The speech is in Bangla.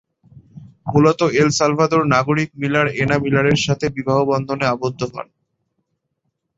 মূলত এল সালভাদোর নাগরিক মিলার এনা মিলারের সাথে বিবাহ বন্ধনে আবদ্ধ হন।